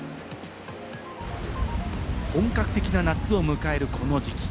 本格的な夏を迎えるこの時期。